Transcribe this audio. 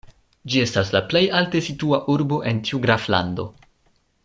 Ĝi estas la plej alte situa urbo en tiu graflando.